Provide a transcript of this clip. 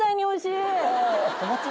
おいしいね。